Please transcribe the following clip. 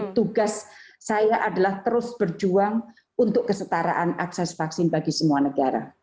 tugas saya adalah terus berjuang untuk kesetaraan akses vaksin bagi semua negara